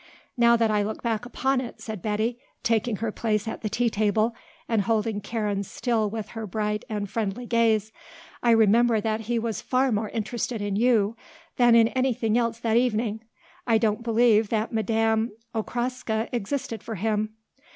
Now that I look back upon it," said Betty, taking her place at the tea table and holding Karen still with her bright and friendly gaze, "I remember that he was far more interested in you than in anything else that evening. I don't believe that Madame Okraska existed for him."